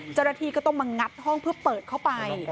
เจ้าหน้าที่ก็ต้องมางัดห้องเพื่อเปิดเข้าไป